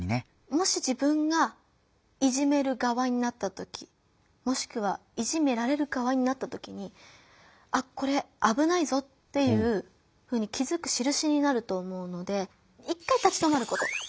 もし自分がいじめる側になった時もしくはいじめられる側になった時に「あっこれあぶないぞ」っていうふうに気づくしるしになると思うので一回立ち止まること。